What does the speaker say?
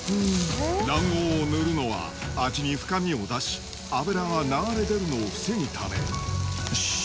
卵黄を塗るのは味に深みを出し脂が流れ出るのを防ぐためよし。